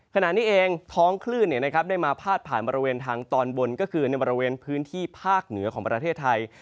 ขณะนี้เองท้องคลื่นได้มาพาดผ่านบริเวณทางตอนบนก็คือในบริเวณพื้นที่ภาคเหนือของประเทศไทย